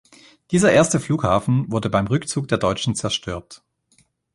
Dieser erste Flughafen wurde beim Rückzug der Deutschen zerstört.